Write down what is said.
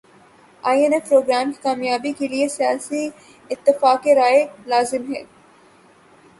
ائی M F programme کی کامیابی کیلئے سیاسی اتفاق رائے لازم ہے